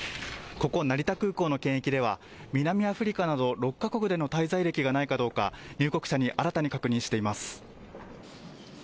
ここ成田空港の検疫では南アフリカなど６か国での滞在歴がないかどうか入国者に新たに確認しています。